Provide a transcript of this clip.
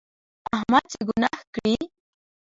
احمد چې ګناه کړي،